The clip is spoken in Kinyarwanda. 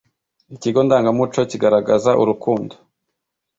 Ikigo ndangamuco kigaragaza urukundo